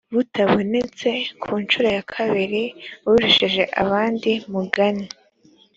butabonetse ku nshuro ya kabiri urushije abandi mugani